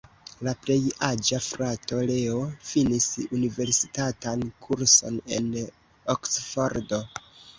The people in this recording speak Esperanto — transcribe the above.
La plej aĝa frato, Leo, finis universitatan kurson en Oksfordo.